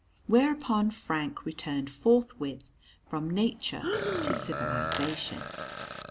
Whereupon Frank returned forthwith from nature to civilisation.